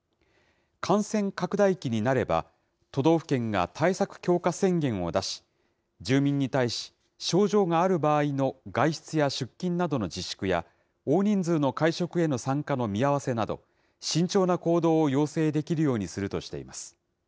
感染拡大期になれば、都道府県が対策強化宣言を出し、住民に対し、症状がある場合の外出や出勤などの自粛や、大人数の会食への参加の見合わせなど、慎重な行動を要請できるようにするとしています。